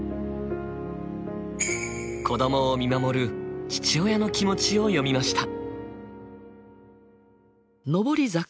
子どもを見守る父親の気持ちを詠みました。